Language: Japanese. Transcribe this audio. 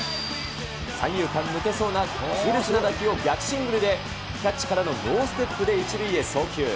三遊間抜けそうな痛烈な打球を逆シングルでキャッチからのノーステップで１塁へ送球。